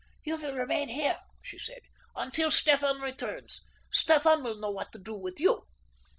"You will remain here," she said, "until Stefan returns. Stefan will know what to do with you."